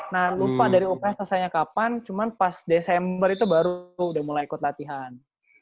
nah lupa dari operasinya kapan cuman pas desember itu baru udah mulai ikut latihan